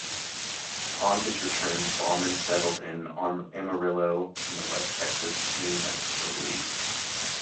Upon his return, Bauman settled in with Amarillo in the West Texas-New Mexico League.